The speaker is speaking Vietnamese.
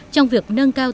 trong việc nâng cao